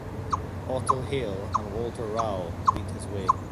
Otto Heil and Walter Rau lead his way.